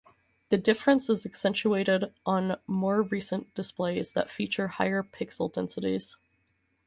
This difference is accentuated on more recent displays that feature higher pixel densities.